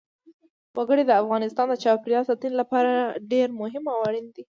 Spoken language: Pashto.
وګړي د افغانستان د چاپیریال ساتنې لپاره ډېر مهم او اړین دي.